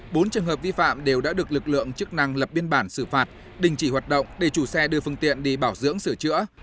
bốn trường hợp vi phạm đều đã được lực lượng chức năng lập biên bản xử phạt đình chỉ hoạt động để chủ xe đưa phương tiện đi bảo dưỡng sửa chữa